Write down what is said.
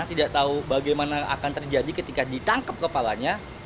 tidak tahu bagaimana akan terjadi ketika ditangkap kepalanya